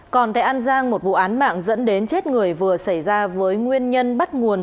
còn tại an giang một vụ án mạng dẫn đến chết người vừa xảy ra với nguyên nhân bắt nguồn